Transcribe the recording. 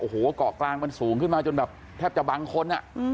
โอ้โหเกาะกลางมันสูงขึ้นมาจนแบบแทบจะบางคน